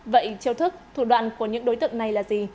vậy chiêu thức thủ đoạn của những đối tượng này là gì